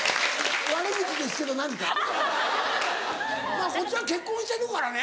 まぁこっちは結婚してるからね。